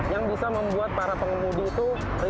yang bisa membuat para pengemudi itu relax dan tidak mudah lelah